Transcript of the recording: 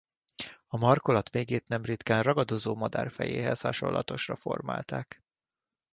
A markolat végét nem ritkán ragadozó madár fejéhez hasonlatosra formálták.